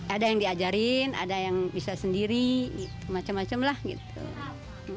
ada yang diajarin ada yang bisa sendiri macam macam lah gitu